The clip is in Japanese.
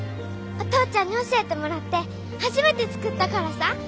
お父ちゃんに教えてもらって初めて作ったからさ！